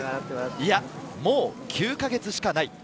いや、もう９か月しかない。